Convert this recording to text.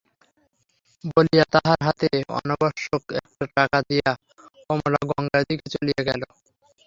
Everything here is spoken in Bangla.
বলিয়া তাহার হাতে অনাবশ্যক একটা টাকা দিয়া কমলা গঙ্গার দিকে চলিয়া গেল।